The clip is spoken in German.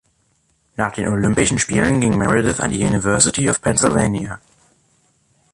Nach den Olympischen Spielen ging Meredith an die University of Pennsylvania.